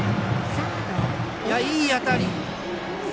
いい当たり。